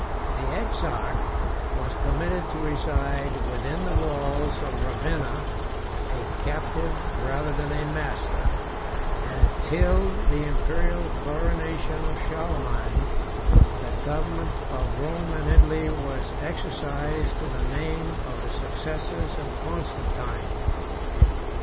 The exarch was permitted to reside within the walls of Ravenna, a captive rather than a master; and till the Imperial coronation of Charlemagne, the government of Rome and Italy was exercised in the name of the successors of Constantine.